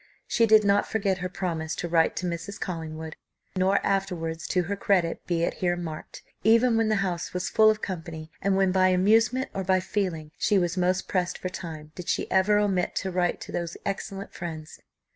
She did not forget her promise to write to Mrs. Collingwood; nor afterwards (to her credit be it here marked) even when the house was full of company, and when, by amusement or by feeling, she was most pressed for time did she ever omit to write to those excellent friends.